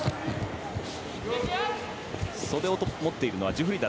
袖を持っているのはジュフリダ。